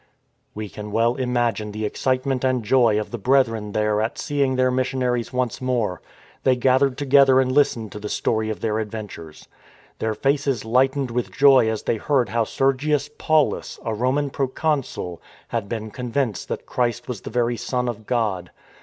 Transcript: We can well imagine the excitement and joy of the Brethren there at seeing their missionaries once more. They gathered together and listened to the story of their adventures. Their faces lightened with joy as they heard how Sergius Paulus, a Roman proconsul, had been convinced that Christ was the very Son of God.